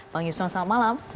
bang yusron selamat malam